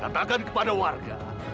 katakan kepada warga